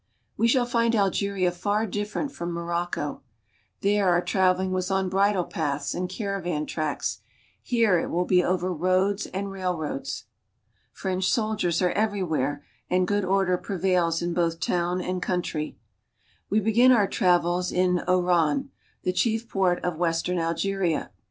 We shall find Algeria far different from Morocco. There our traveling was on bridle paths and caravan tracks; here it will be over roads and railroads. French 36 AKRICA ind good order prevallf both soldiers are everywhere, i town and country. We begin our travels in Oran (o riin'), the chief port of western Algeria.